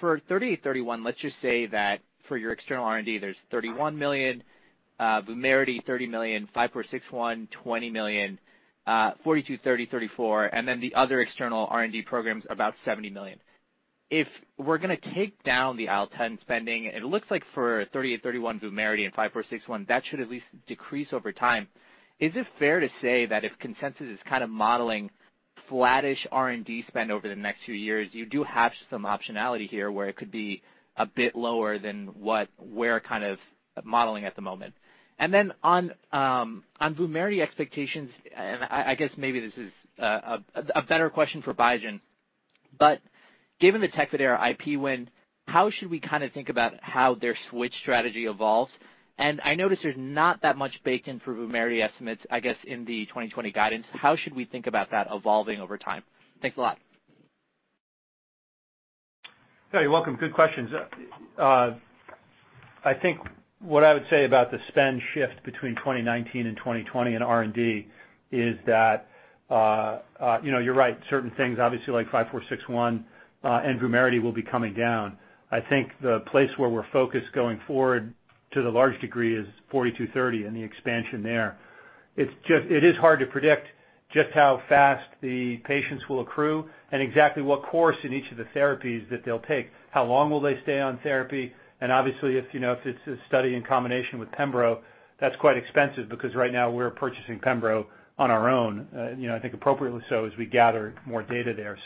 For 3831, let's just say that for your external R&D, there's $31 million, VUMERITY, $30 million, 5461, $20 million, 4230, $34, and then the other external R&D programs, about $70 million. If we're going to take down the IL-10 spending, it looks like for 3831, VUMERITY and 5461, that should at least decrease over time. Is it fair to say that if consensus is kind of modeling flattish R&D spend over the next few years, you do have some optionality here where it could be a bit lower than what we're kind of modeling at the moment. On VUMERITY expectations, and I guess maybe this is a better question for Biogen, but given the TECFIDERA IP win, how should we kind of think about how their switch strategy evolves? I notice there's not that much baked in for VUMERITY estimates, I guess, in the 2020 guidance. How should we think about that evolving over time? Thanks a lot. Yeah, you're welcome. Good questions. I think what I would say about the spend shift between 2019 and 2020 in R&D is that you're right, certain things, obviously like 5461 and VUMERITY will be coming down. I think the place where we're focused going forward to the large degree is 4230 and the expansion there. It is hard to predict just how fast the patients will accrue and exactly what course in each of the therapies that they'll take, how long will they stay on therapy, and obviously, if it's a study in combination with Pembro, that's quite expensive because right now we're purchasing Pembro on our own, I think appropriately so as we gather more data there.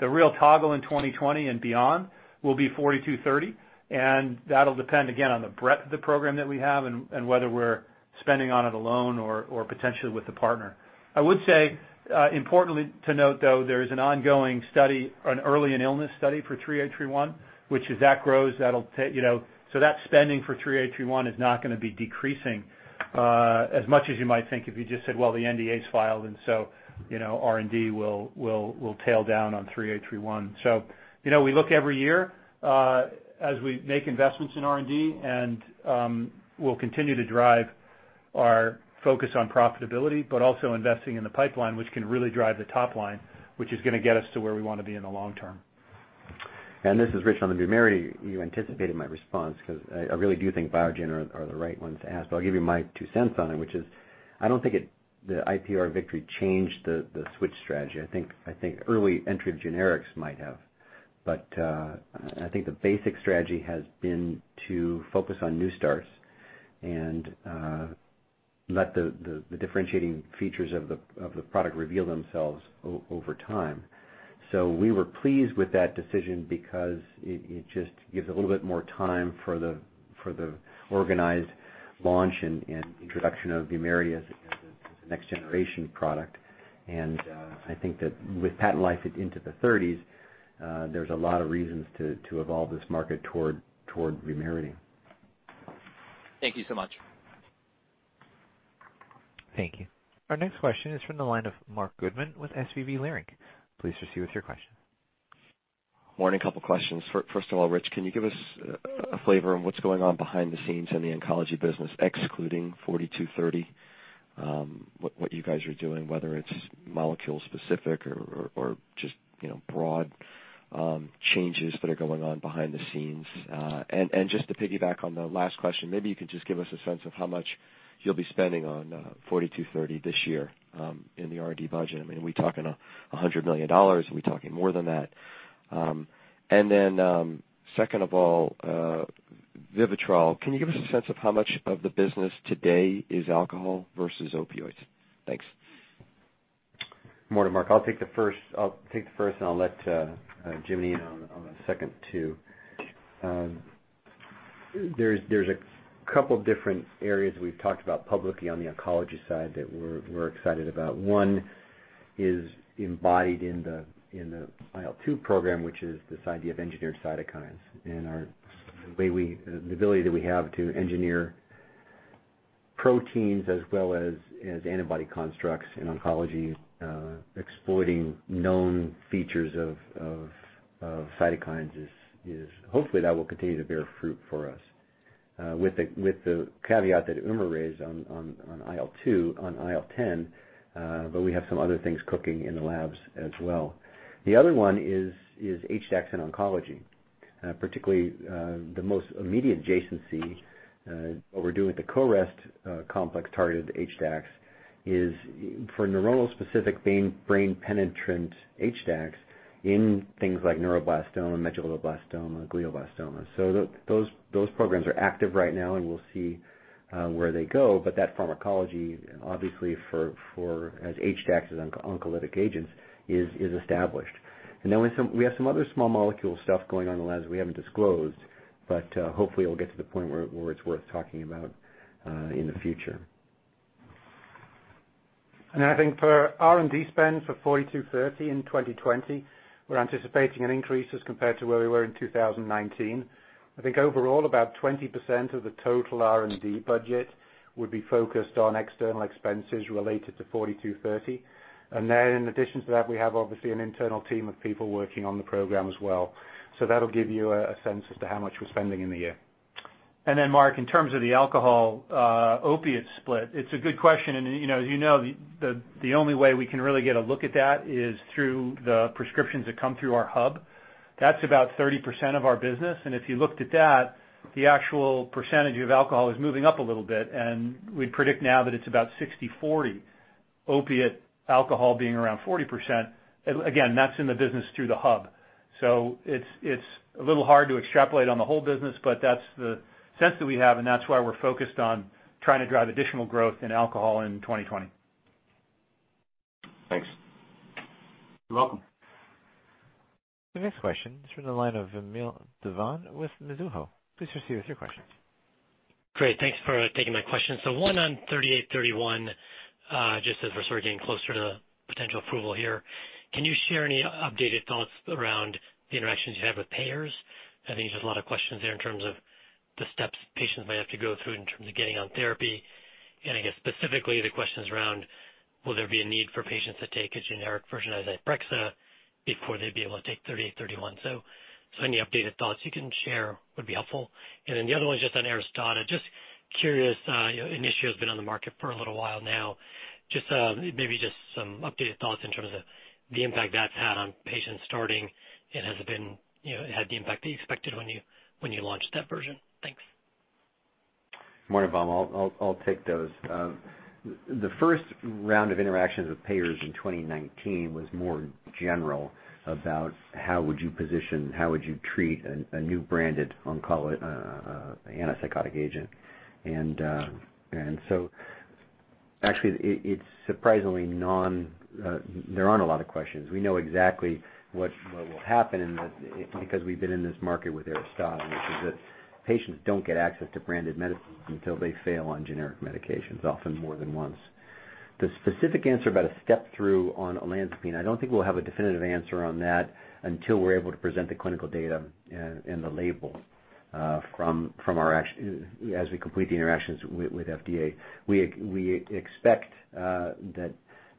The real toggle in 2020 and beyond will be 4230, and that'll depend, again, on the breadth of the program that we have and whether we're spending on it alone or potentially with a partner. I would say, importantly to note, though, there is an ongoing study, an early in illness study for 3831, which as that grows, that spending for 3831 is not going to be decreasing as much as you might think if you just said, "Well, the NDA's filed and R&D will tail down on 3831." We look every year as we make investments in R&D, and we'll continue to drive our focus on profitability, but also investing in the pipeline, which can really drive the top line, which is going to get us to where we want to be in the long term. This is Rich on the VUMERITY. You anticipated my response because I really do think Biogen are the right ones to ask. I'll give you my two cents on it, which is I don't think the IPR victory changed the switch strategy. I think early entry of generics might have, but I think the basic strategy has been to focus on new starts and let the differentiating features of the product reveal themselves over time. We were pleased with that decision because it just gives a little bit more time for the organized launch and introduction of VUMERITY as a next-generation product. I think that with patent life into the 2030s, there's a lot of reasons to evolve this market toward VUMERITY. Thank you so much. Thank you. Our next question is from the line of Marc Goodman with SVB Leerink. Please proceed with your question. Morning. Couple questions. Rich, can you give us a flavor on what's going on behind the scenes in the oncology business, excluding ALKS 4230? What you guys are doing, whether it's molecule specific or just broad changes that are going on behind the scenes. Just to piggyback on the last question, maybe you could just give us a sense of how much you'll be spending on ALKS 4230 this year in the R&D budget. I mean, are we talking $100 million, are we talking more than that? Second of all, VIVITROL. Can you give us a sense of how much of the business today is alcohol versus opioids? Thanks. Morning, Marc. I'll take the first, I'll let James in on the second two. There's a couple different areas we've talked about publicly on the oncology side that we're excited about. One is embodied in the IL-2 program, which is this idea of engineered cytokines, and the ability that we have to engineer proteins as well as antibody constructs in oncology. Exploiting known features of cytokines, hopefully, that will continue to bear fruit for us. With the caveat that Umer raised on IL-2, on IL-10, we have some other things cooking in the labs as well. The other one is HDAC in oncology. Particularly, the most immediate adjacency, what we're doing with the CoREST complex-targeted HDACs is for neuronal-specific brain-penetrant HDACs in things like neuroblastoma, medulloblastoma, glioblastoma. Those programs are active right now, and we'll see where they go. That pharmacology, obviously, as HDACs as oncolytic agents, is established. Then we have some other small molecule stuff going on in the labs that we haven't disclosed. Hopefully it'll get to the point where it's worth talking about in the future. I think for R&D spend for 4230 in 2020, we're anticipating an increase as compared to where we were in 2019. I think overall, about 20% of the total R&D budget would be focused on external expenses related to 4230. In addition to that, we have obviously an internal team of people working on the program as well. That'll give you a sense as to how much we're spending in the year. Marc, in terms of the alcohol/opioid split, it's a good question. As you know, the only way we can really get a look at that is through the prescriptions that come through our hub. That's about 30% of our business, and if you looked at that, the actual percentage of alcohol is moving up a little bit, and we predict now that it's about 60/40, opioid, alcohol being around 40%. Again, that's in the business through the hub. It's a little hard to extrapolate on the whole business, but that's the sense that we have, and that's why we're focused on trying to drive additional growth in alcohol in 2020. Thanks. You're welcome. The next question is from the line of Vimal DeSilva with Mizuho. Please proceed with your question. Great. Thanks for taking my question. One on ALKS 3831, just as we're sort of getting closer to potential approval here. Can you share any updated thoughts around the interactions you have with payers? I think there's just a lot of questions there in terms of the steps patients might have to go through in terms of getting on therapy. I guess specifically the questions around, will there be a need for patients to take a generic version of Zyprexa before they'd be able to take ALKS 3831. Any updated thoughts you can share would be helpful. The other one's just on ARISTADA. Just curious, initially it has been on the market for a little while now. Maybe just some updated thoughts in terms of the impact that's had on patients starting, and has it had the impact that you expected when you launched that version? Thanks. Morning, Vimal. I'll take those. The first round of interactions with payers in 2019 was more general about how would you position, how would you treat a new branded antipsychotic agent. Actually, there aren't a lot of questions. We know exactly what will happen because we've been in this market with ARISTADA, which is that patients don't get access to branded medicines until they fail on generic medications, often more than once. The specific answer about a step-through on olanzapine, I don't think we'll have a definitive answer on that until we're able to present the clinical data and the label as we complete the interactions with FDA. We expect that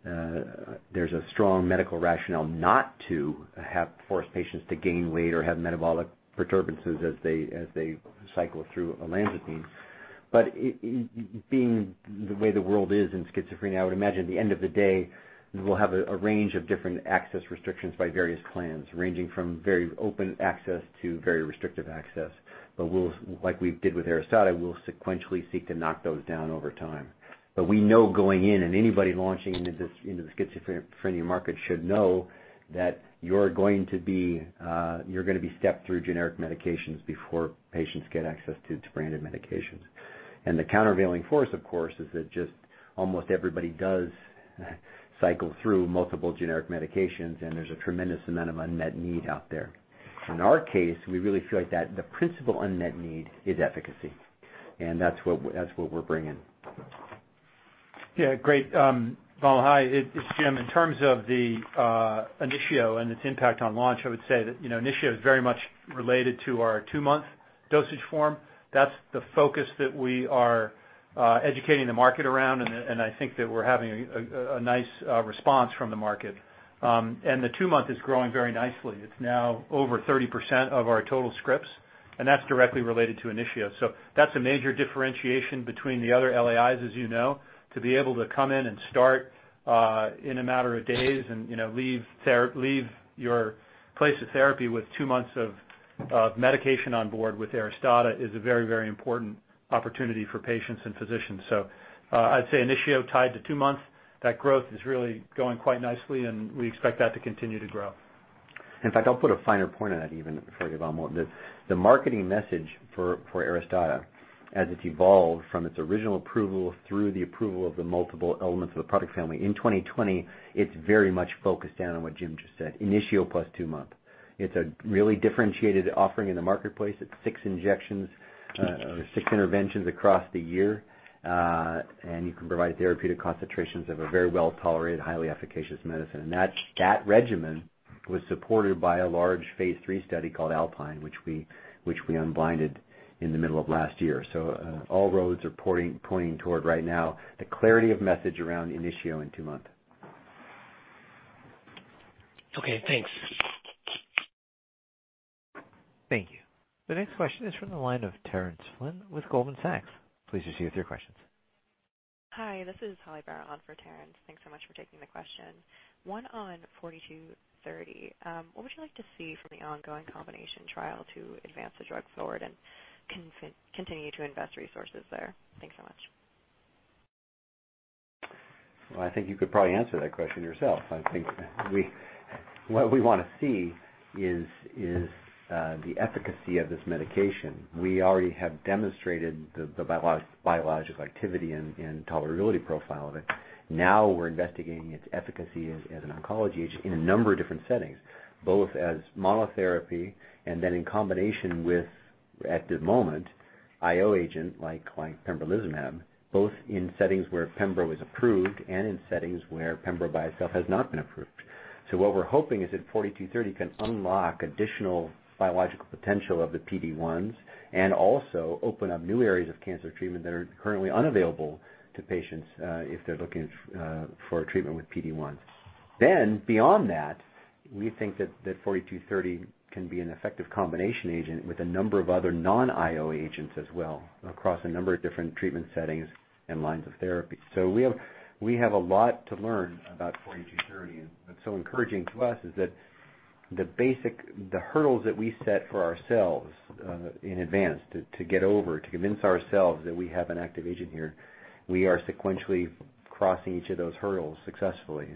there's a strong medical rationale not to force patients to gain weight or have metabolic perturbances as they cycle through olanzapine. Being the way the world is in schizophrenia, I would imagine at the end of the day, we will have a range of different access restrictions by various plans, ranging from very open access to very restrictive access. Like we did with ARISTADA, we will sequentially seek to knock those down over time. We know going in, and anybody launching into the schizophrenia market should know, that you're going to be stepped through generic medications before patients get access to branded medications. The countervailing force, of course, is that just almost everybody does cycle through multiple generic medications, and there's a tremendous amount of unmet need out there. In our case, we really feel like the principal unmet need is efficacy, and that's what we're bringing. Hi. It's James. In terms of the INITIO and its impact on launch, I would say that INITIO is very much related to our two-month dosage form. That's the focus that we are educating the market around. I think that we're having a nice response from the market. The two-month is growing very nicely. It's now over 30% of our total scripts. That's directly related to INITIO. That's a major differentiation between the other LAIs, as you know. To be able to come in and start in a matter of days and leave your place of therapy with two months of medication on board with ARISTADA is a very important opportunity for patients and physicians. I'd say INITIO tied to two months, that growth is really going quite nicely. We expect that to continue to grow. In fact, I'll put a finer point on that even for you, Vimal. The marketing message for ARISTADA, as it's evolved from its original approval through the approval of the multiple elements of the product family. In 2020, it's very much focused in on what James just said, Initio plus two month. It's a really differentiated offering in the marketplace. It's six injections, or six interventions across the year. You can provide therapeutic concentrations of a very well-tolerated, highly efficacious medicine. That regimen was supported by a large phase III study called ALPINE, which we unblinded in the middle of last year. All roads are pointing toward, right now, the clarity of message around Initio and two month. Okay, thanks. Thank you. The next question is from the line of Terence Flynn with Goldman Sachs. Please proceed with your questions. Hi, this is Holly Barron for Terence. Thanks so much for taking the question. One on 4230. What would you like to see from the ongoing combination trial to advance the drug forward and continue to invest resources there? Thanks so much. I think you could probably answer that question yourself. I think what we want to see is the efficacy of this medication. We already have demonstrated the biological activity and tolerability profile of it. We're investigating its efficacy as an oncology agent in a number of different settings, both as monotherapy and then in combination with, at the moment, IO agent, like pembrolizumab, both in settings where pembrolizumab is approved and in settings where pembrolizumab by itself has not been approved. What we're hoping is that 4230 can unlock additional biological potential of the PD1s and also open up new areas of cancer treatment that are currently unavailable to patients if they're looking for treatment with PD1. Beyond that, we think that 4230 can be an effective combination agent with a number of other non-IO agents as well, across a number of different treatment settings and lines of therapy. We have a lot to learn about 4230, and what's so encouraging to us is that the hurdles that we set for ourselves in advance to get over to convince ourselves that we have an active agent here, we are sequentially crossing each of those hurdles successfully.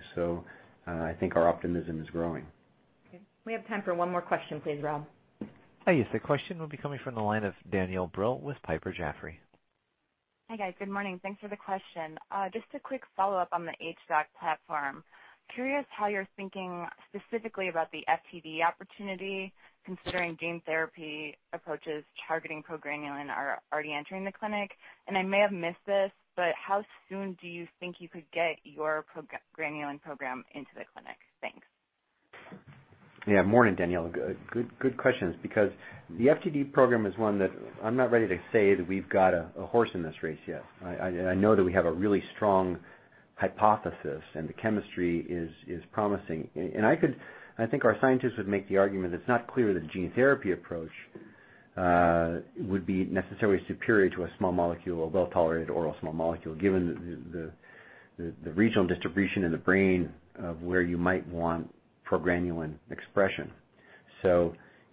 I think our optimism is growing. Okay. We have time for one more question, please, Rob. Yes. The question will be coming from the line of Danielle Brill with Piper Sandler. Hi, guys. Good morning. Thanks for the question. Just a quick follow-up on the HDAC platform. Curious how you're thinking specifically about the FTD opportunity, considering gene therapy approaches targeting progranulin are already entering the clinic. I may have missed this, but how soon do you think you could get your progranulin program into the clinic? Thanks. Yeah. Morning, Danielle. Good questions, because the FTD program is one that I'm not ready to say that we've got a horse in this race yet. I know that we have a really strong hypothesis, the chemistry is promising. I think our scientists would make the argument, it's not clear that a gene therapy approach would be necessarily superior to a small molecule, a well-tolerated oral small molecule, given the regional distribution in the brain of where you might want progranulin expression.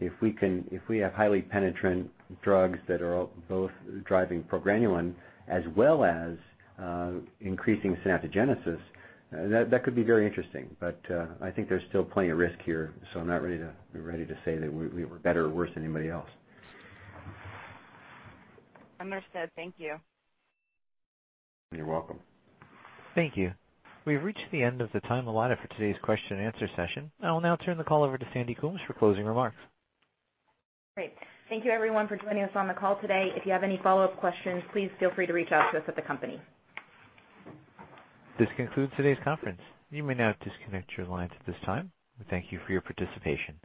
If we have highly penetrant drugs that are both driving progranulin as well as increasing synaptogenesis, that could be very interesting. I think there's still plenty of risk here. I'm not ready to say that we're better or worse than anybody else. Understood. Thank you. You're welcome. Thank you. We've reached the end of the time allotted for today's question and answer session. I will now turn the call over to Sandy Coombs for closing remarks. Great. Thank you everyone for joining us on the call today. If you have any follow-up questions, please feel free to reach out to us at the company. This concludes today's conference. You may now disconnect your lines at this time. Thank you for your participation.